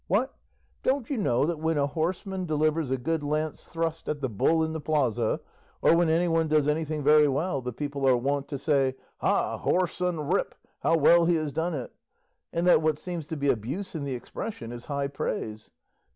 "What! don't you know that when a horseman delivers a good lance thrust at the bull in the plaza, or when anyone does anything very well, the people are wont to say, 'Ha, whoreson rip! how well he has done it!' and that what seems to be abuse in the expression is high praise?